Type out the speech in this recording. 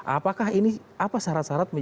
apakah ini apa syarat syarat